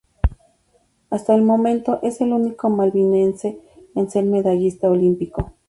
Hasta el momento es el único malvinense en ser medallista olímpico.